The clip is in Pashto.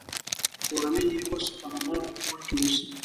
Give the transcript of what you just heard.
کورنۍ یې اوس هم په هماغه کور کې اوسي.